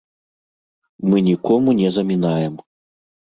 Мы нікому не замінаем.